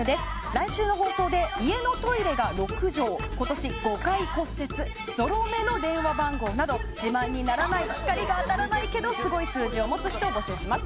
来週の放送で家のトイレが６畳、今年５回骨折ぞろ目の電話番号など自慢にならない光が当たらないけどすごい数字をお持ちの方募集します。